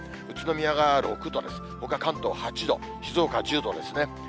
宇都宮が６度です、ほか関東８度、静岡１０度ですね。